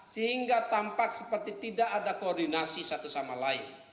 sehingga tampak seperti tidak ada koordinasi satu sama lain